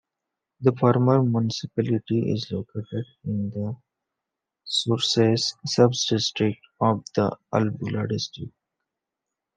The former municipality is located in the Surses sub-district of the Albula district.